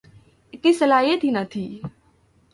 اتنی صلاحیت ہی نہ تھی۔